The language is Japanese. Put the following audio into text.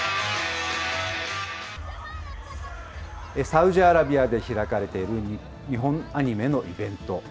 サウジアラビアで開かれている、日本アニメのイベント。